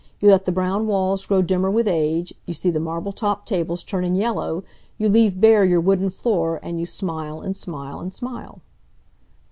You let the brown walls grow dimmer with age; you see the marble topped tables turning yellow; you leave bare your wooden floor, and you smile, and smile, and smile."